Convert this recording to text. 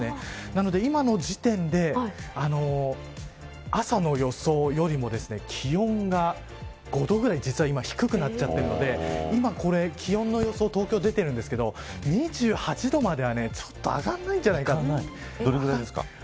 なので今の時点で朝の予想よりも気温が５度ぐらい実は今、低くなっているので今気温の予想東京出てるんですけど２８度までは、ちょっと上がらないんじゃないかな。